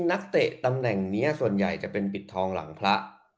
นักเตะตำแหน่งนี้ส่วนใหญ่จะเป็นปิดทองหลังพระ